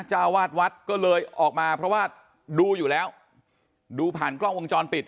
เจ้าวาดวัดก็เลยออกมาเพราะว่าดูอยู่แล้วดูผ่านกล้องวงจรปิด